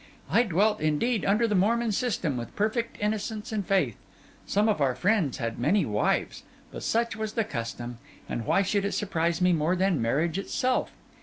I dwelt, indeed, under the Mormon system, with perfect innocence and faith. Some of our friends had many wives; but such was the custom; and why should it surprise me more than marriage itself?